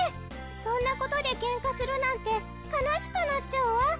そんなことでけんかするなんて悲しくなっちゃうわ。